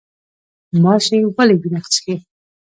ماشی ولې وینه څښي؟